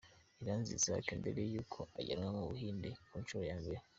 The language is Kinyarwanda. Iranzi Isaac mbere yuko ajyanwa mu Buhinde ku nshuro ya mbere.